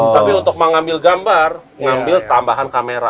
tapi untuk mengambil gambar mengambil tambahan kamera